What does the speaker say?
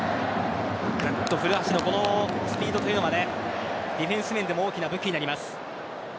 古橋のスピードというのはディフェンス面でも大きな武器になります。